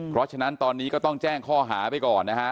เพราะฉะนั้นตอนนี้ก็ต้องแจ้งข้อหาไปก่อนนะฮะ